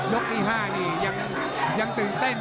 ที่๕นี่ยังตื่นเต้น